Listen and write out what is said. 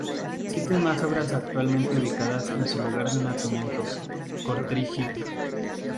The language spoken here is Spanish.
Existen más obras actualmente ubicadas en su lugar de nacimiento, Kortrijk.